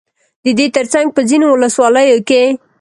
ددې ترڅنگ په ځينو ولسواليو كې